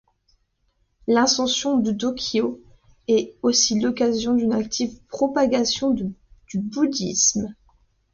L'ascension de Dōkyō est aussi l'occasion d'une active propagation du bouddhisme.